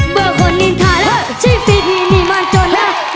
เบื่อคนนินทาแล้วชีพสิทธินี่มาจนแล้ว